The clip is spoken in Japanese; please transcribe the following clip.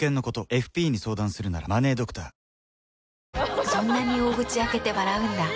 男性にそんなに大口開けて笑うんだ。